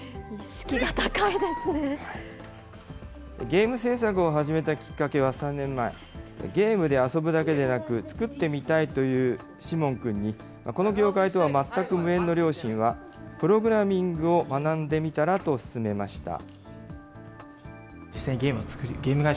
ゲーム制作を始めたきっかけは３年前、ゲームで遊ぶだけでなく、作ってみたいというシモン君に、この業界とは全く無縁の両親は、プログラミングを学んでみたらと勧めました。